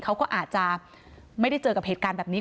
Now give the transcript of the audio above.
เขาก็อาจจะไม่ได้เจอกับเหตุการณ์แบบนี้